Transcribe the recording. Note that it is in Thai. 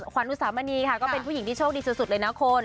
ขวัญอุสามณีค่ะก็เป็นผู้หญิงที่โชคดีสุดเลยนะคุณ